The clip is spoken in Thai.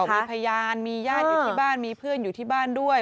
มีพยานมีญาติอยู่ที่บ้านมีเพื่อนอยู่ที่บ้านด้วย